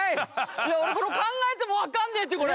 いや俺これ考えてもわかんねえってこれ！